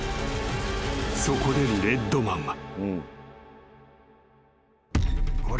［そこでレッドマンは］